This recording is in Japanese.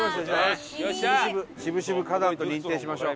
渋々渋々花壇と認定しましょう。